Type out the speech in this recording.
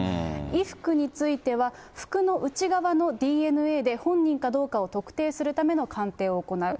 衣服については、服の内側のＤＮＡで、本人かどうかを特定するための鑑定を行う。